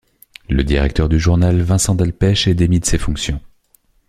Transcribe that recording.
Le directeur du journal Vincent Delpuech est démis de ses fonctions.